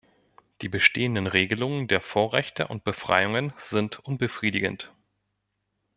Die bestehenden Regelungen der Vorrechte und Befreiungen sind unbefriedigend.